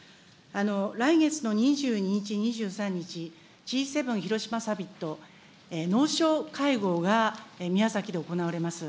来月の２２日、２３日、Ｇ７広島サミット農相会合が宮崎で行われます。